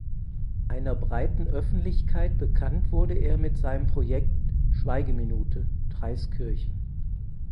Einer breiten Öffentlichkeit bekannt wurde er mit seinem Projekt "Schweigeminute (Traiskirchen)".